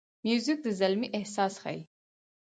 موزیک د زلمي احساس ښيي.